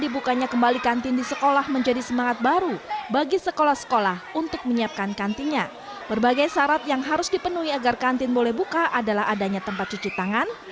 berbagai syarat yang harus dipenuhi agar kantin boleh buka adalah adanya tempat cuci tangan